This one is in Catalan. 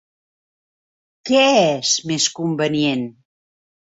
Què és més convenient?